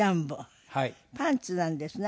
パンツなんですね